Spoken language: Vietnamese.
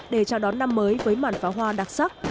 để chào đón năm mới với màn pháo hoa đặc sắc